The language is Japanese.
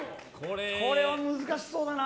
これは難しそうだな。